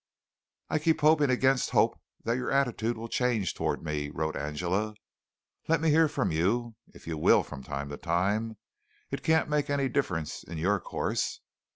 "I keep hoping against hope that your attitude will change toward me," wrote Angela. "Let me hear from you if you will from time to time. It can't make any difference in your course.